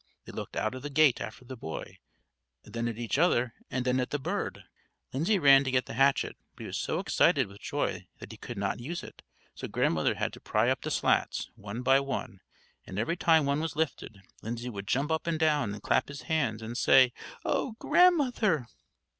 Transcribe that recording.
They looked out of the gate after the boy, then at each other, and then at the bird. Lindsay ran to get the hatchet, but he was so excited with joy that he could not use it, so Grandmother had to pry up the slats, one by one; and every time one was lifted, Lindsay would jump up and down and clap his hands, and say, "Oh, Grandmother!"